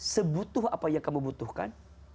sebutuh apa yang kamu butuhkan